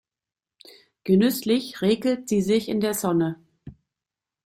Genüsslich räkelt sie sich in der Sonne.